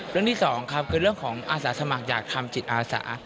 เรื่องที่สองครับคือเรื่องของอาสาสมัครอยากทำจิตอาสา